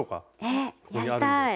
えっやりたい。